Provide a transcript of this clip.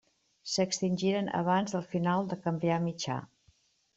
S'extingiren abans del final del Cambrià mitjà.